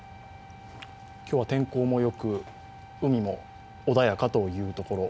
今日は天候もよく、海も穏やかというところ。